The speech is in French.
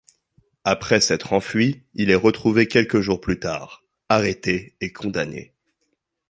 Après s'être enfui, il est retrouvé quelques jours plus tard, arrêté et condamné.